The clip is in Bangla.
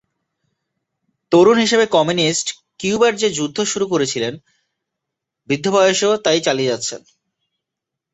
তরুণ হিসেবে কমিউনিস্ট কিউবার যে যুদ্ধ শুরু করেছিলেন, বৃদ্ধ বয়সেও তাই চালিয়ে যাচ্ছেন।